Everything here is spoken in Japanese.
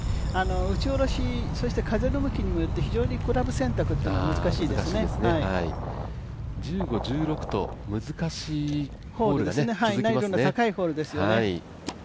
打ち下ろし、そして風の向きによって非常にクラブ選択１５、１６と難しいホールが難易度の高いホールですよね。